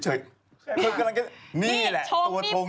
โชงนี่สปั่น